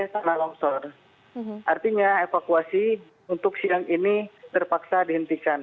tkp artinya evakuasi untuk siang ini terpaksa dihentikan